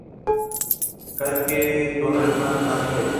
کر کے دولتمند بن گئے